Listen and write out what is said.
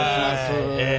え